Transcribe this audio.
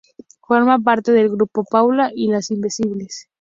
Forma parte del grupo "Paula y las invisibles".